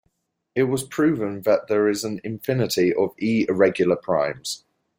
It was proven that there is an infinity of E-irregular primes.